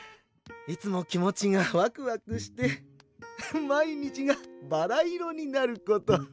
いつも気持ちがワクワクして毎日がバラ色になること。